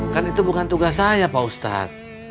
kan itu bukan tugas saya pak ustadz